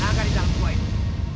agar di dalam rumah itu